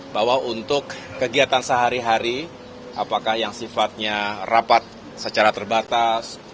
bahwa untuk kegiatan sehari hari apakah yang sifatnya rapat secara terbatas